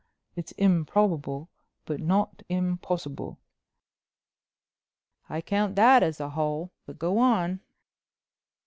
It's improbable but not impossible." "I count that as a hole, but go on."